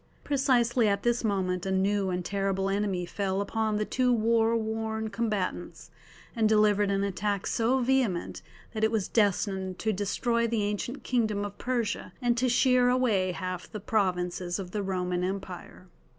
Precisely at this moment a new and terrible enemy fell upon the two war worn combatants, and delivered an attack so vehement that it was destined to destroy the ancient kingdom of Persia and to shear away half the provinces of the Roman Empire.